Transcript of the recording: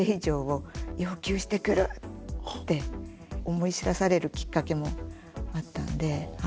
思い知らされるきっかけもあったんで。